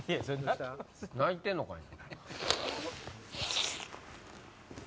泣いてんのかいな。